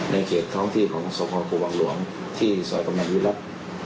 ในเขตท้องที่ของที่ซอยประมาณวิรัติ